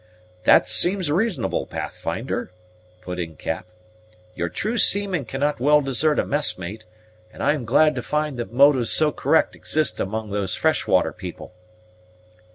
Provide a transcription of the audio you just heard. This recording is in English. "This seems reasonable, Pathfinder," put in Cap. "Your true seaman cannot well desert a messmate; and I am glad to find that motives so correct exist among those fresh water people."